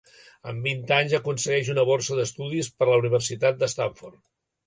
Amb vint anys, aconsegueix una borsa d'estudis per la Universitat de Stanford.